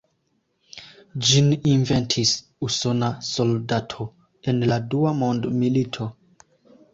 Ĝin inventis usona soldato en la Dua mondmilito.